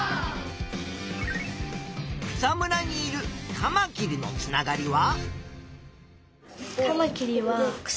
草むらにいるカマキリのつながりは？